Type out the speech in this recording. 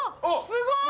すごい！